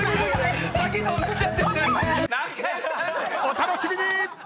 ［お楽しみに！］